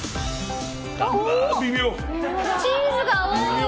チーズが多い！